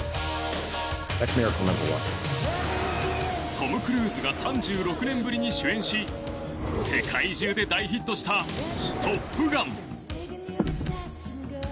トム・クルーズが３６年ぶりに主演し世界中で大ヒットした「トップガン」。